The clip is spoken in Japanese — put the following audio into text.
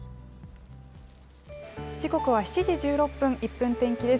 時刻は７時１６分、１分天気です。